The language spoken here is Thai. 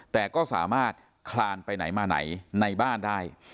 แต่ก็สามารถคลานไปไหนมาไหนในบ้านได้